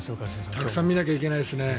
たくさん見なきゃいけないですね。